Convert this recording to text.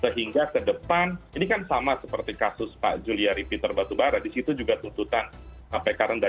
sehingga ke depan ini kan sama seperti kasus pak juliari peter batubara disitu juga tuntutan kpk rendah